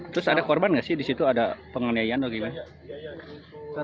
terus ada korban gak sih disitu ada penganiayaan atau gimana